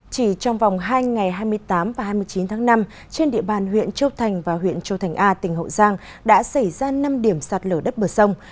chỉ trong vòng hai ngày hai mươi tám và hai mươi chín tháng năm trên địa bàn huyện châu thành và huyện châu thành a tỉnh hậu giang đã xảy ra năm điểm sạt lở đất bờ sông